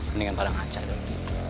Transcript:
mendingan pada ngaca dong